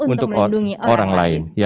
untuk melindungi orang lain